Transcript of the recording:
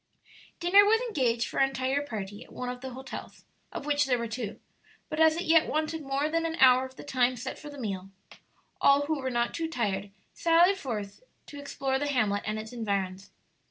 Dinner was engaged for our entire party at one of the hotels, of which there were two; but as it yet wanted more than an hour of the time set for the meal, all who were not too tired sallied forth to explore the hamlet and its environs.